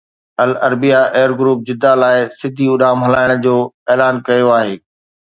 العربيه air group Jeddah لاءِ سڌي اڏام هلائڻ جو اعلان ڪيو آهي